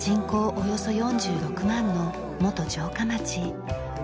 およそ４６万の元城下町。